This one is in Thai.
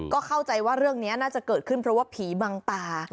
ก็เข้าใจว่าเรื่องนี้น่าจะเกิดขึ้นเพราะว่าผีบังตา